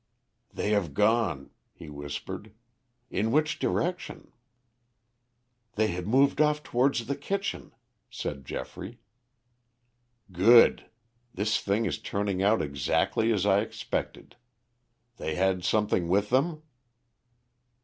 "They have gone," he whispered. "In which direction?" "They had moved off towards the kitchen," said Geoffrey. "Good! This thing is turning out exactly as I expected. They had something with them?"